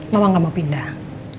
mama gak mau pindah